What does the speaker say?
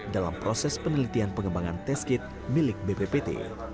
dalam proses penelitian pengembangan tes kit milik bppt